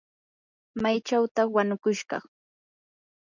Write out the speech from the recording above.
¿maychawtaq wanukushqa?